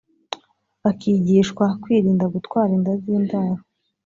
bakigishwa kwirinda gutwara inda z’indaro